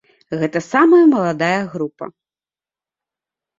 Гэта самая маладая група.